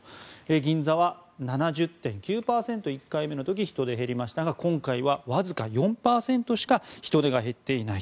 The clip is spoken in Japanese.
銀座は７０．９％１回目の時は人出が減りましたが今回はわずか４％しか人出が減っていない。